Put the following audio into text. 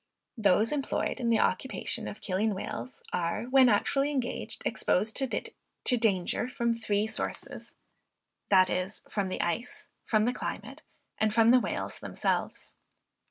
Those employed in the occupation of killing whales, are, when actually engaged, exposed to danger from three sources, viz. from the ice, from the climate, and from the whales themselves.